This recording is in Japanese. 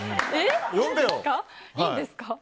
いいんですか？